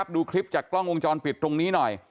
ดูคลิปจากกล้องวงจรปิดตรงนี้หน่อย